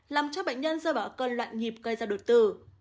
làm cho bệnh nhân dơ bỏ cơn loạn nhịp gây ra đột tử